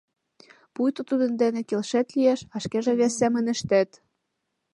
— Пуйто тудын дене келшет лиеш, а шкеже вес семын ыштет.